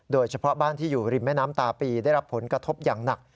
โดยเฉพาะบ้านที่อยู่ริมแม่น้ำตาปีได้รับผลกระทบอย่างหนัก